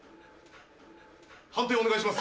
判定お願いします！